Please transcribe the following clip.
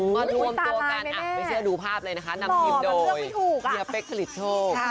มันรวมตัวกันอ่ะเมื่อเชื่อดูภาพเลยนะคะนำทีมโดยเฮียเป๊กธริชโศก